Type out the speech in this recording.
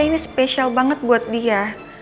ini spesial banget buat dia